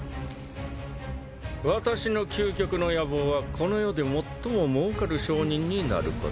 私の究極の野望はこの世で最ももうかる商人になること。